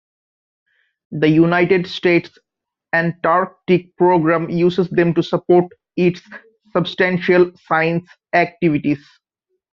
The United States Antarctic Program uses them to support its substantial science activities.